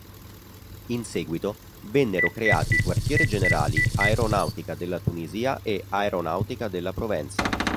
In seguito vennero creati i quartier generali Aeronautica della Tunisia e Aeronautica della Provenza.